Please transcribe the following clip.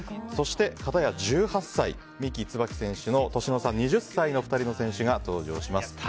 そして、片や１８歳三木つばき選手の年の差２０歳の２人の選手が登場します。